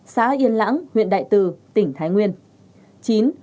xã yên lãng huyện đại từ tỉnh thái nguyên